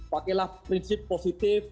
pakailah prinsip positif